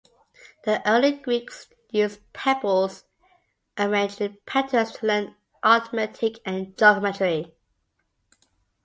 The early Greeks used pebbles arranged in patterns to learn arithmetic and geometry.